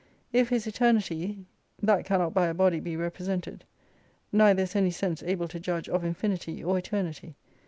If His Eternity, that cannot by a body be represented. Neither is any sense able to judge of infinity or eternity.